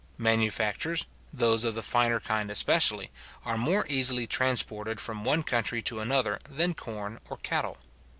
Manufactures, those of the finer kind especially, are more easily transported from one country to another than corn or cattle.